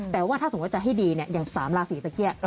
แต่ว่าถ้าสมมุติจะให้ดีอย่าง๓ราศีตะเกี้